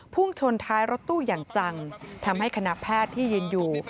พุ่งชนท้ายรถตู้อย่างจังทำให้คณะแพทย์ที่ยืนอยู่